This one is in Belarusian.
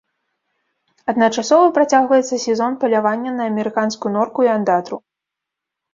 Адначасова працягваецца сезон палявання на амерыканскую норку і андатру.